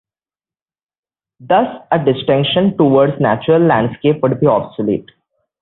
Thus, a distinction towards natural landscape would be obsolete.